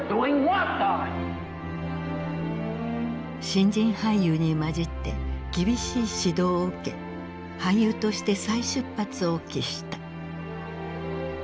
新人俳優に交じって厳しい指導を受け俳優として再出発を期した。